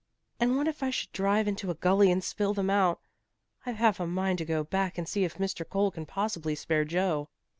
"And what if I should drive into a gully and spill them out? I've half a mind to go back and see if Mr. Cole can possibly spare Joe."